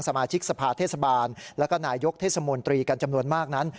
สมาชิกสภาเทศบาลแล้วก็นายกเทศมนตรีกันจำนวนมากนั้น